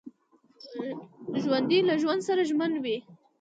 ژوندي له ژوند سره ژمن وي